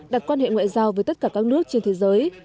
đặt quan hệ ngoại giao với tất cả các nước trên thế giới